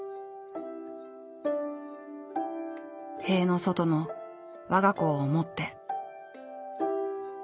塀の外のわが子を思って。